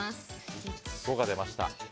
５が出ました。